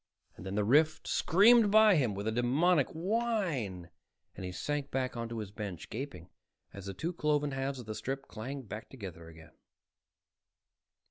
Then the rift screamed by him with a demoniac whine and he sank back onto his bench, gasping as the two cloven halves of the strip clanged back together again.